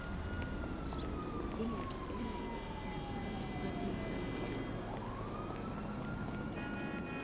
He is buried at Mount Pleasant Cemetery.